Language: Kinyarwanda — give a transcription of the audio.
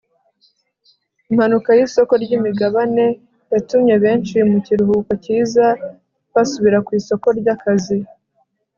impanuka yisoko ryimigabane yatumye benshi mu kiruhuko cyiza basubira ku isoko ryakazi